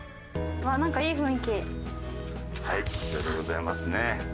はいこちらでございますね。